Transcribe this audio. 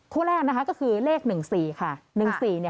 คู่แรกก็คือเลข๑๔ค่ะ